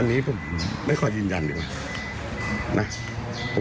เสียงที่ได้ยินวันนั้นเนี่ยบอกว่า